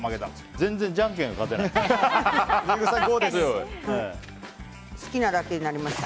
全然じゃんけんが勝てない。